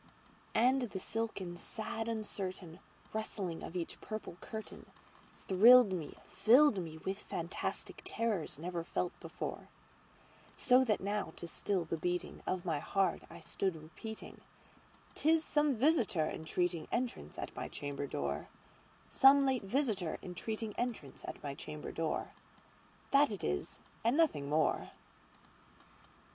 And the silken sad uncertain rustling of each purple curtainThrilled me—filled me with fantastic terrors never felt before; So that now, to still the beating of my heart, I stood repeating"'T is some visitor entreating entrance at my chamber door, Some late visitor entreating entrance at my chamber door:This it is and nothing more."